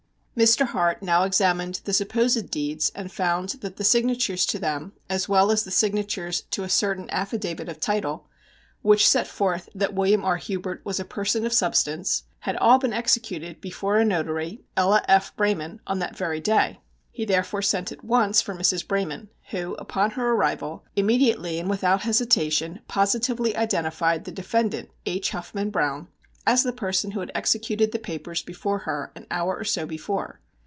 Mr. Hart now examined the supposed deeds and found that the signatures to them, as well as the signatures to a certain affidavit of title, which set forth that William R. Hubert was a person of substance, had all been executed before a notary, Ella F. Braman, on that very day. He therefore sent at once for Mrs. Braman who, upon her arrival, immediately and without hesitation, positively identified the defendant, H. Huffman Browne, as the person who had executed the papers before her an hour or so before.